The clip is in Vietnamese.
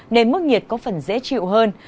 nên mức nhiệt có phần dễ chịu hơn